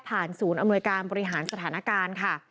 ศูนย์อำนวยการบริหารสถานการณ์ค่ะ